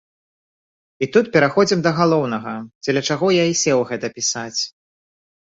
І тут пераходзім да галоўнага, дзеля чаго я і сеў гэта пісаць.